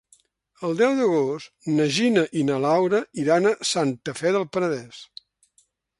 El deu d'agost na Gina i na Laura iran a Santa Fe del Penedès.